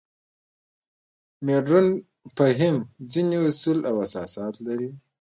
مډرن فهم ځینې اصول او اساسات لري.